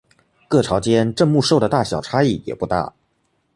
各朝间镇墓兽的大小差异也不大。